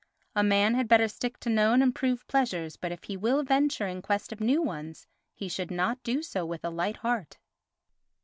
A man had better stick to known and proved pleasures, but, if he will venture in quest of new ones, he should not do so with a light heart.